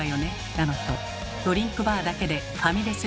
だのとドリンクバーだけでファミレス